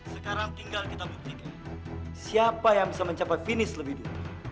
sekarang tinggal kita buktikan siapa yang bisa mencapai finish lebih dulu